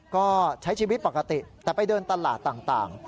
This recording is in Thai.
ก็ใช้ชีวิตปกติแต่ไปเดินตลาดต่าง